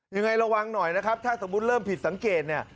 ยังไงระวังหน่อยนะครับถ้าสมมุติเริ่มผิดสังเกตเนี่ย